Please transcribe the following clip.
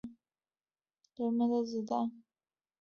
只要焦点足够她就能躲避敌人的子弹。